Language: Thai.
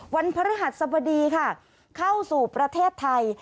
พระฤหัสสบดีค่ะเข้าสู่ประเทศไทย